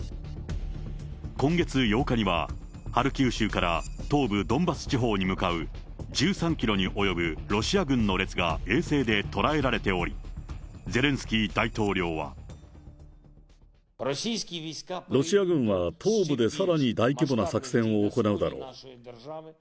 今月８日には、ハルキウ州から東部ドンバス地方に向かう１３キロに及ぶロシア軍の列が衛星で捉えられており、ロシア軍は、東部でさらに大規模な作戦を行うだろう。